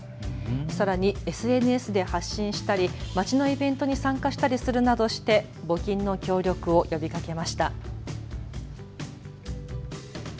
さらにＳＮＳで発信したり町のイベントに参加したりするなどして募金の協力を呼びかけました。